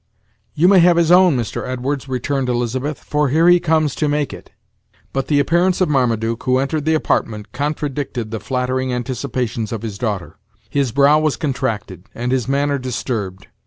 "You may have his own, Mr. Edwards," returned Elizabeth, "for here he comes to make it." But the appearance of Marmaduke, who entered the apartment, contradicted the flattering anticipations of his daughter. His brow was contracted, and his manner disturbed.